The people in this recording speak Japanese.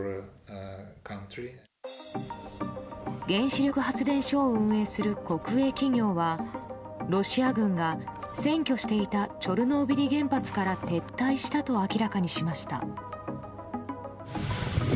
原子力発電所を運営する国営企業はロシア軍が占拠していたチョルノービリ原発から撤退したと明らかにしました。